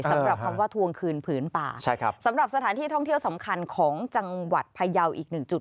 สำหรับคำว่าทวงคืนผืนป่าใช่ครับสำหรับสถานที่ท่องเที่ยวสำคัญของจังหวัดพยาวอีกหนึ่งจุด